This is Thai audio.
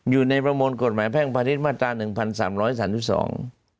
อยู่ในประมวลกฎหมายแพร่งพระฤทธิ์มาตรา๑๓๐๐ศาลทุกษอง